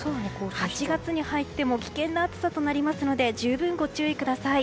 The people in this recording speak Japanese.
８月に入っても危険な暑さとなりますので十分ご注意ください。